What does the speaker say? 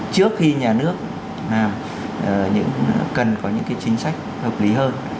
trước khi nhà nước cần có những chính sách hợp lý hơn